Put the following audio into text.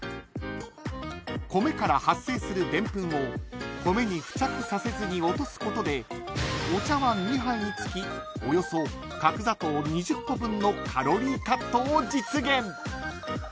［米から発生するでんぷんを米に付着させずに落とすことでお茶わん２杯につきおよそ角砂糖２０個分のカロリーカットを実現］